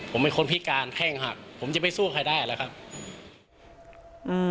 ผมเป็นคนพิการแห้งหักผมจะไปสู้ใครได้แล้วครับอืม